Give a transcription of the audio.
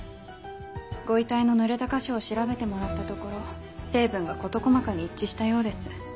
ご遺体のぬれた箇所を調べてもらったところ成分が事細かに一致したようです。